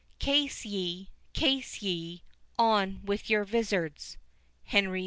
Case ye, case ye,—on with your vizards. HENRY IV.